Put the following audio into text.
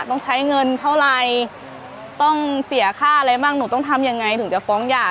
ต้องใช้เงินเท่าไรต้องเสียค่าอะไรบ้างหนูต้องทำยังไงถึงจะฟ้องหย่า